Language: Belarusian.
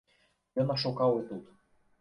Ён ашукаў і тут.